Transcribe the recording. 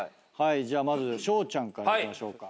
じゃあまずしょうちゃんからいきましょうか。